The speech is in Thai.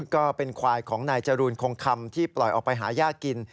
ก็เป็นควายของนายจรูนคงคำที่ปล่อยออกไปหาย่ากิน